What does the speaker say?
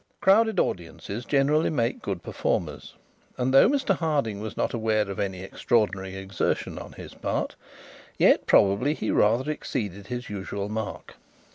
Crowded audiences generally make good performers, and though Mr Harding was not aware of any extraordinary exertion on his part, yet probably he rather exceeded his usual mark.